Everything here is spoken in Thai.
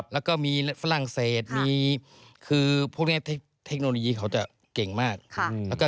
แล้วก็มีฝรั่งเศสมีคือพวกนี้เทคโนโลยีเขาจะเก่งมาก